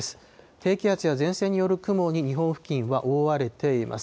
低気圧や前線による雲に日本付近は覆われています。